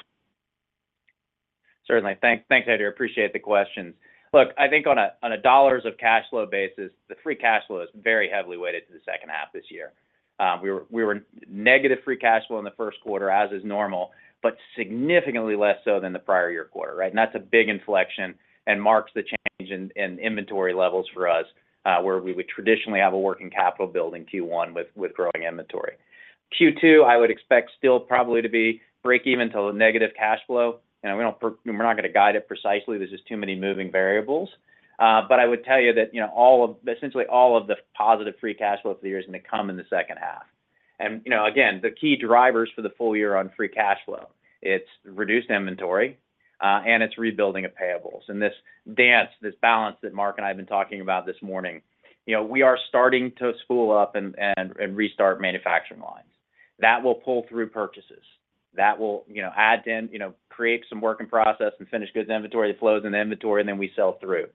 Certainly. Thanks, Andrew. I appreciate the questions. Look, I think on a dollars of cash flow basis, the free cash flow is very heavily weighted to the second half this year. We were negative free cash flow in the first quarter, as is normal, but significantly less so than the prior year quarter, right? And that's a big inflection and marks the change in inventory levels for us where we would traditionally have a working capital build in Q1 with growing inventory. Q2, I would expect still probably to be break even to a negative cash flow. We're not going to guide it precisely. There's just too many moving variables. But I would tell you that essentially all of the positive free cash flow for the years going to come in the second half. Again, the key drivers for the full year on free cash flow—it's reduced inventory, and it's rebuilding of payables. This balance that Mark and I have been talking about this morning, we are starting to spool up and restart manufacturing lines. That will pull through purchases. That will add to create some work in process and finished goods inventory. It flows in the inventory, and then we sell through.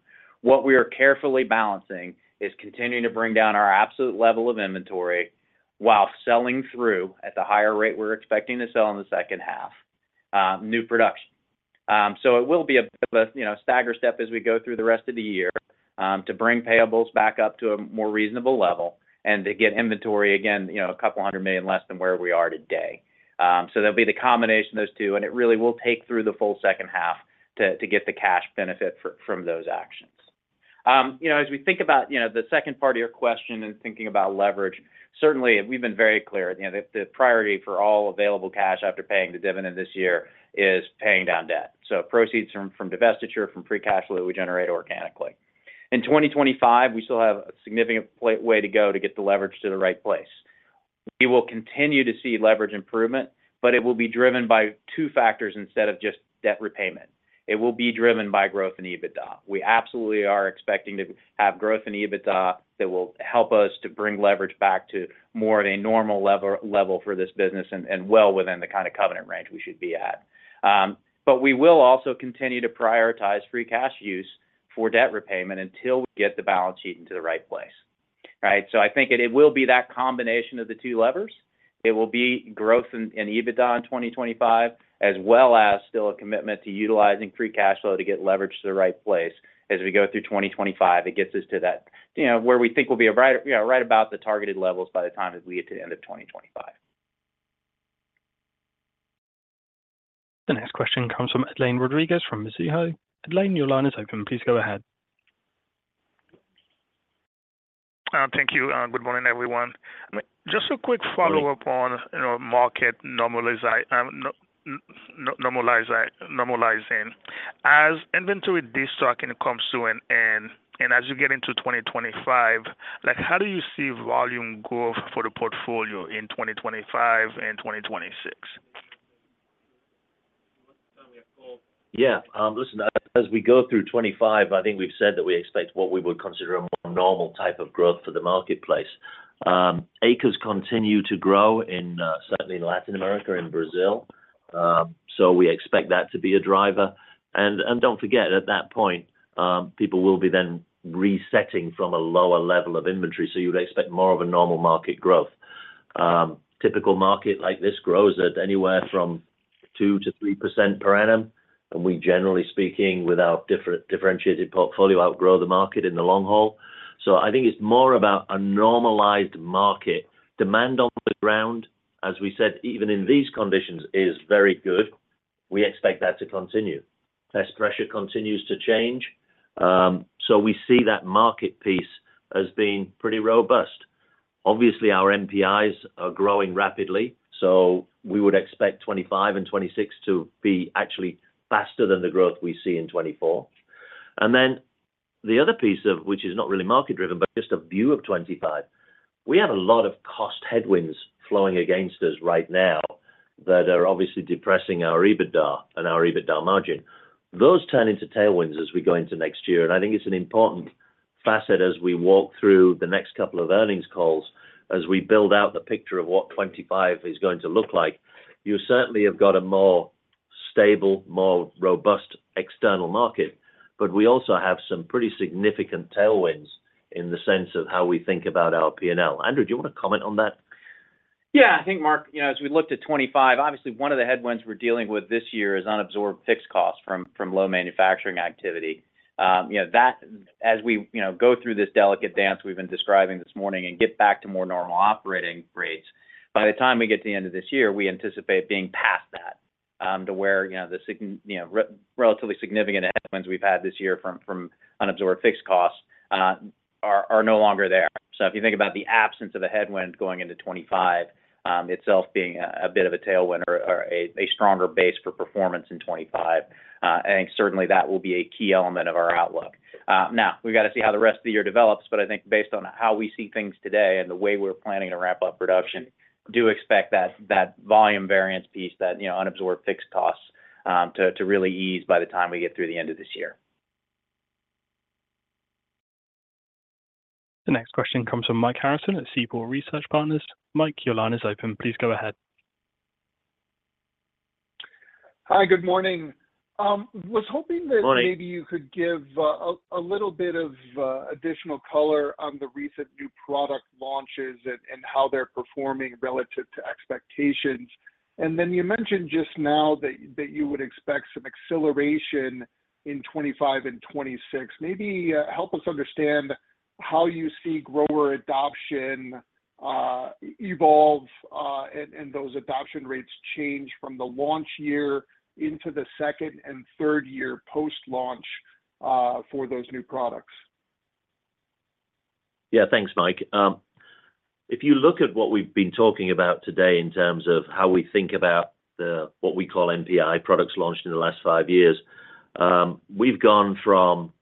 What we are carefully balancing is continuing to bring down our absolute level of inventory while selling through at the higher rate we're expecting to sell in the second half, new production. It will be a bit of a stagger step as we go through the rest of the year to bring payables back up to a more reasonable level and to get inventory, again, $200 million less than where we are today. So there'll be the combination of those two, and it really will take through the full second half to get the cash benefit from those actions. As we think about the second part of your question and thinking about leverage, certainly, we've been very clear. The priority for all available cash after paying the dividend this year is paying down debt. So proceeds from divestiture, from Free Cash Flow that we generate organically. In 2025, we still have a significant way to go to get the leverage to the right place. We will continue to see leverage improvement, but it will be driven by two factors instead of just debt repayment. It will be driven by growth in EBITDA. We absolutely are expecting to have growth in EBITDA that will help us to bring leverage back to more of a normal level for this business and well within the kind of covenant range we should be at. But we will also continue to prioritize free cash flow for debt repayment until we get the balance sheet into the right place, right? So I think it will be that combination of the two levers. It will be growth in EBITDA in 2025 as well as still a commitment to utilizing free cash flow to get leverage to the right place as we go through 2025. It gets us to where we think we'll be right about the targeted levels by the time that we get to the end of 2025. The next question comes from Edlain Rodriguez from Mizuho. Edlain, your line is open. Please go ahead. Thank you. Good morning, everyone. Just a quick follow-up on market normalizing. As inventory destocking comes to an end and as you get into 2025, how do you see volume growth for the portfolio in 2025 and 2026? Yeah. Listen, as we go through 2025, I think we've said that we expect what we would consider a more normal type of growth for the marketplace. Acres continue to grow, certainly in Latin America, in Brazil. So we expect that to be a driver. And don't forget, at that point, people will be then resetting from a lower level of inventory. So you would expect more of a normal market growth. Typical market like this grows at anywhere from 2%-3% per annum. And we generally speaking, with our differentiated portfolio, outgrow the market in the long haul. So I think it's more about a normalized market. Demand on the ground, as we said, even in these conditions, is very good. We expect that to continue. Pest pressure continues to change. So we see that market piece as being pretty robust. Obviously, our NPIs are growing rapidly. So we would expect 2025 and 2026 to be actually faster than the growth we see in 2024. And then the other piece of which is not really market-driven, but just a view of 2025, we have a lot of cost headwinds flowing against us right now that are obviously depressing our EBITDA and our EBITDA margin. Those turn into tailwinds as we go into next year. And I think it's an important facet as we walk through the next couple of earnings calls, as we build out the picture of what 2025 is going to look like. You certainly have got a more stable, more robust external market, but we also have some pretty significant tailwinds in the sense of how we think about our P&L. Andrew, do you want to comment on that? Yeah. I think, Mark, as we looked at 2025, obviously, one of the headwinds we're dealing with this year is unabsorbed fixed costs from low manufacturing activity. As we go through this delicate dance we've been describing this morning and get back to more normal operating rates, by the time we get to the end of this year, we anticipate being past that to where the relatively significant headwinds we've had this year from unabsorbed fixed costs are no longer there. So if you think about the absence of a headwind going into 2025 itself being a bit of a tailwind or a stronger base for performance in 2025, I think certainly that will be a key element of our outlook. Now, we've got to see how the rest of the year develops, but I think based on how we see things today and the way we're planning to wrap up production, do expect that volume variance piece, that unabsorbed fixed costs, to really ease by the time we get through the end of this year. The next question comes from Mike Harrison at Seaport Research Partners. Mike, your line is open. Please go ahead. Hi. Good morning. Was hoping that maybe you could give a little bit of additional color on the recent new product launches and how they're performing relative to expectations? And then you mentioned just now that you would expect some acceleration in 2025 and 2026. Maybe help us understand how you see grower adoption evolve and those adoption rates change from the launch year into the second and third year post-launch for those new products? Yeah. Thanks, Mike. If you look at what we've been talking about today in terms of how we think about what we call NPI products launched in the last five years, we've gone from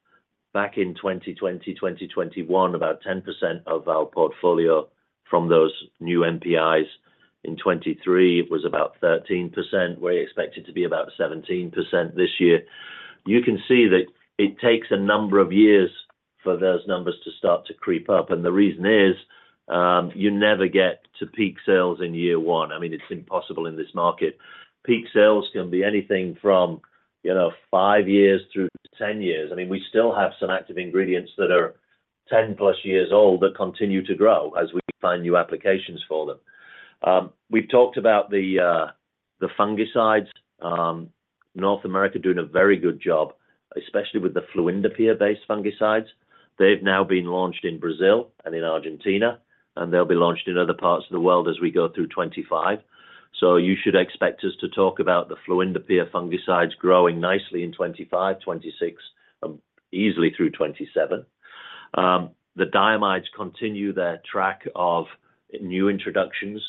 back in 2020, 2021, about 10% of our portfolio from those new NPIs. In 2023, it was about 13%. We're expected to be about 17% this year. You can see that it takes a number of years for those numbers to start to creep up. And the reason is you never get to peak sales in year one. I mean, it's impossible in this market. Peak sales can be anything from 5 years through 10 years. I mean, we still have some active ingredients that are 10+ years old that continue to grow as we find new applications for them. We've talked about the fungicides. North America doing a very good job, especially with the fluindapyr-based fungicides. They've now been launched in Brazil and in Argentina, and they'll be launched in other parts of the world as we go through 2025. So you should expect us to talk about the fluindapyr fungicides growing nicely in 2025, 2026, and easily through 2027. The diamides continue their track of new introductions.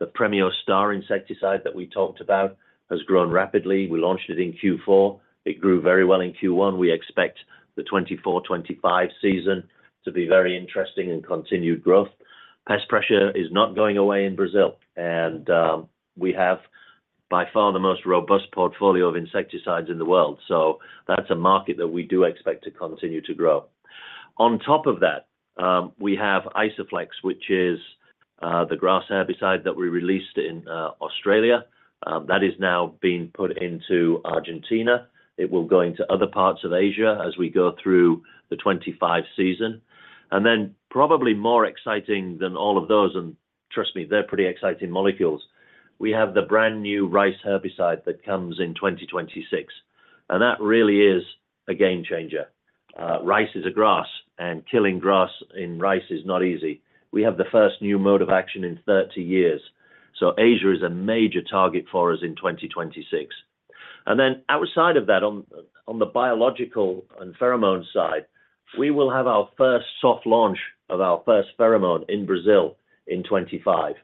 The Premio Star insecticide that we talked about has grown rapidly. We launched it in Q4. It grew very well in Q1. We expect the 2024, 2025 season to be very interesting and continued growth. Pest pressure is not going away in Brazil, and we have by far the most robust portfolio of insecticides in the world. So that's a market that we do expect to continue to grow. On top of that, we have Isoflex, which is the grass herbicide that we released in Australia. That is now being put into Argentina. It will go into other parts of Asia as we go through the 2025 season. Then probably more exciting than all of those - and trust me, they're pretty exciting molecules - we have the brand new rice herbicide that comes in 2026. And that really is a game-changer. Rice is a grass, and killing grass in rice is not easy. We have the first new mode of action in 30 years. So Asia is a major target for us in 2026. And then outside of that, on the biological and pheromone side, we will have our first soft launch of our first pheromone in Brazil in 2025.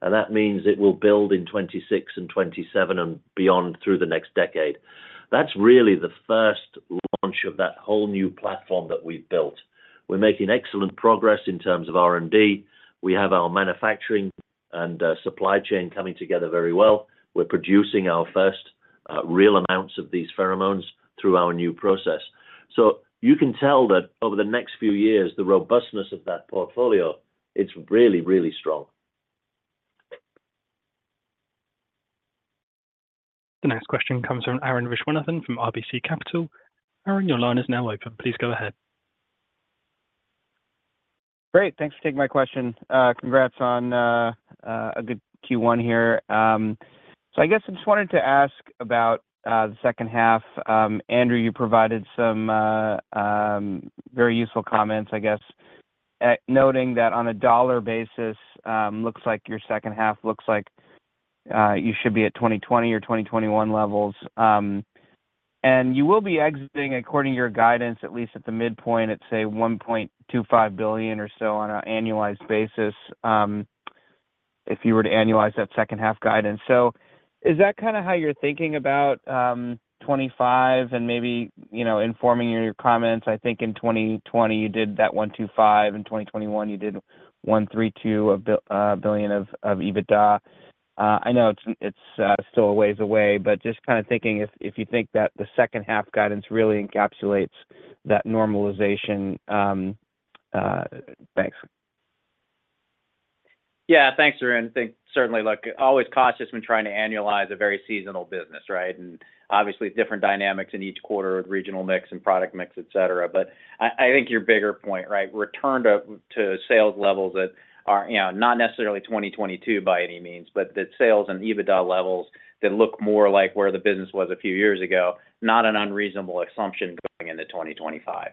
And that means it will build in 2026 and 2027 and beyond through the next decade. That's really the first launch of that whole new platform that we've built. We're making excellent progress in terms of R&D. We have our manufacturing and supply chain coming together very well. We're producing our first real amounts of these pheromones through our new process. So you can tell that over the next few years, the robustness of that portfolio, it's really, really strong. The next question comes from Arun Viswanathan from RBC Capital. Arun, your line is now open. Please go ahead. Great. Thanks for taking my question. Congrats on a good Q1 here. So I guess I just wanted to ask about the second half. Andrew, you provided some very useful comments, I guess, noting that on a dollar basis, it looks like your second half looks like you should be at 2020 or 2021 levels. And you will be exiting, according to your guidance, at least at the midpoint at, say, $1.25 billion or so on an annualized basis if you were to annualize that second half guidance. So is that kind of how you're thinking about 2025 and maybe informing your comments? I think in 2020, you did that $1.25 billion. In 2021, you did $1.32 billion of EBITDA. I know it's still a ways away, but just kind of thinking if you think that the second half guidance really encapsulates that normalization. Thanks. Yeah. Thanks, Arun. I think certainly, look, always cautious when trying to annualize a very seasonal business, right? And obviously, different dynamics in each quarter with regional mix and product mix, etc. But I think your bigger point, right, return to sales levels that are not necessarily 2022 by any means, but that sales and EBITDA levels that look more like where the business was a few years ago, not an unreasonable assumption going into 2025.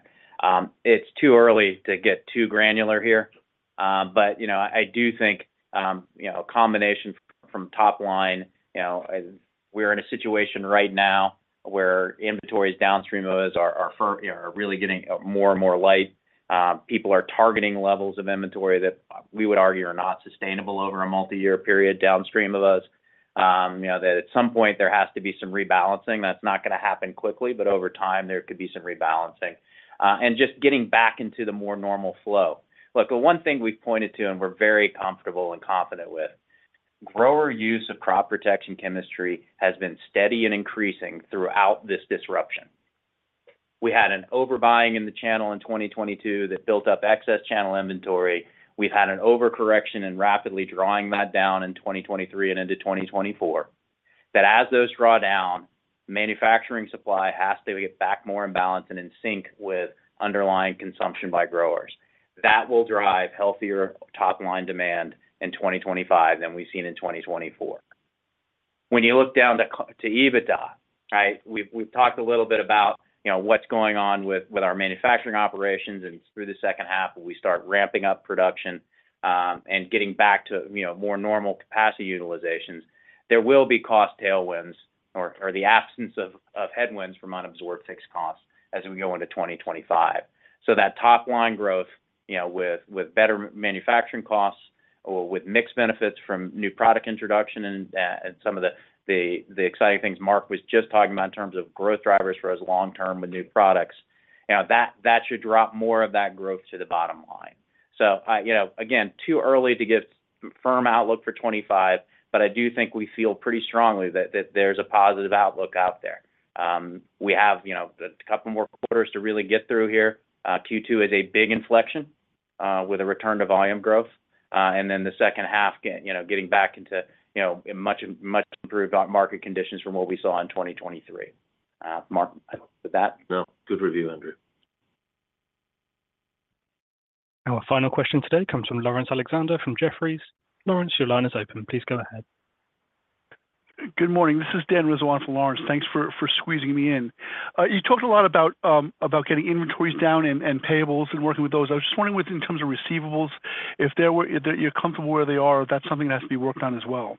It's too early to get too granular here. But I do think a combination from top line we're in a situation right now where inventories downstream of us are really getting more and more light. People are targeting levels of inventory that we would argue are not sustainable over a multi-year period downstream of us, that at some point, there has to be some rebalancing. That's not going to happen quickly, but over time, there could be some rebalancing and just getting back into the more normal flow. Look, the one thing we've pointed to and we're very comfortable and confident with, grower use of crop protection chemistry has been steady and increasing throughout this disruption. We had an overbuying in the channel in 2022 that built up excess channel inventory. We've had an overcorrection and rapidly drawing that down in 2023 and into 2024, that as those draw down, manufacturing supply has to get back more in balance and in sync with underlying consumption by growers. That will drive healthier top line demand in 2025 than we've seen in 2024. When you look down to EBITDA, right, we've talked a little bit about what's going on with our manufacturing operations. And through the second half, when we start ramping up production and getting back to more normal capacity utilizations, there will be cost tailwinds or the absence of headwinds from unabsorbed fixed costs as we go into 2025. So that top line growth with better manufacturing costs or with mixed benefits from new product introduction and some of the exciting things Mark was just talking about in terms of growth drivers for us long-term with new products, that should drop more of that growth to the bottom line. So again, too early to give a firm outlook for 2025, but I do think we feel pretty strongly that there's a positive outlook out there. We have a couple more quarters to really get through here. Q2 is a big inflection with a return to volume growth. And then the second half, getting back into much improved market conditions from what we saw in 2023. Mark, with that? No. Good review, Andrew. Our final question today comes from Laurence Alexander from Jefferies. Laurence, your line is open. Please go ahead. Good morning. This is Daniel Rizzo from Jefferies. Thanks for squeezing me in. You talked a lot about getting inventories down and payables and working with those. I was just wondering in terms of receivables, if you're comfortable where they are, if that's something that has to be worked on as well.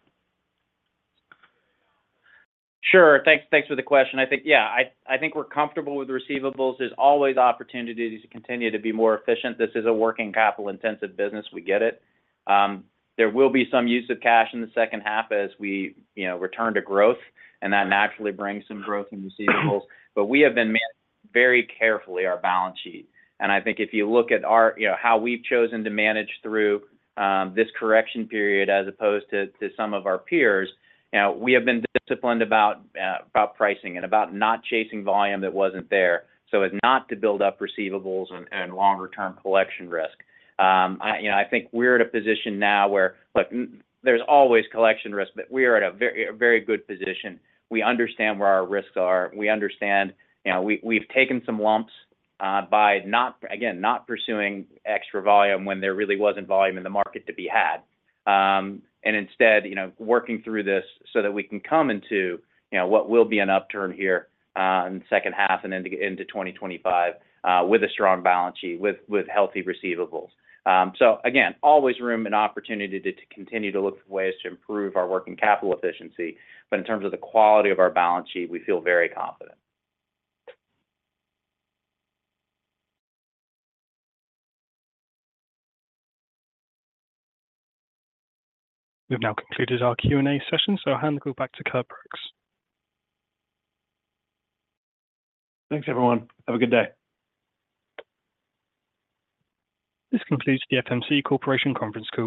Sure. Thanks for the question. Yeah. I think we're comfortable with receivables. There's always opportunities to continue to be more efficient. This is a working capital-intensive business. We get it. There will be some use of cash in the second half as we return to growth, and that naturally brings some growth in receivables. But we have been managing very carefully our balance sheet. And I think if you look at how we've chosen to manage through this correction period as opposed to some of our peers, we have been disciplined about pricing and about not chasing volume that wasn't there so as not to build up receivables and longer-term collection risk. I think we're at a position now where look, there's always collection risk, but we are at a very good position. We understand where our risks are. We understand we've taken some lumps by, again, not pursuing extra volume when there really wasn't volume in the market to be had and instead working through this so that we can come into what will be an upturn here in the second half and into 2025 with a strong balance sheet, with healthy receivables. So again, always room and opportunity to continue to look for ways to improve our working capital efficiency. But in terms of the quality of our balance sheet, we feel very confident. We've now concluded our Q&A session, so I'll hand the group back to Curt Brooks. Thanks, everyone. Have a good day. This concludes the FMC Corporation Conference call.